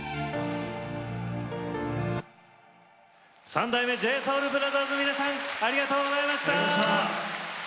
三代目 ＪＳＯＵＬＢＲＯＴＨＥＲＳ の皆さんありがとうございました。